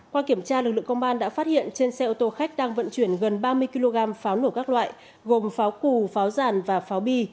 qua kiểm tra lực lượng công an đã phát hiện trên xe ô tô khách đang vận chuyển gần ba mươi kg pháo nổ các loại gồm pháo cù pháo giàn và pháo bi